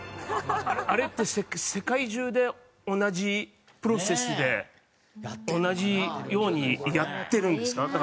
あれって世界中で同じプロセスで同じようにやってるんですか？